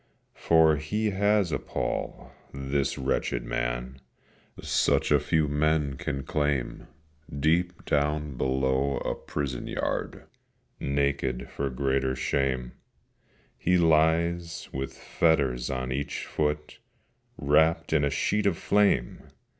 For he has a pall, this wretched man, Such as few men can claim: Deep down below a prison yard, Naked for greater shame, He lies, with fetters on each foot, Wrapt in a sheet of flame!